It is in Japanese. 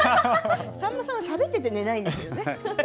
さんまさんはしゃべって寝ないんですよね。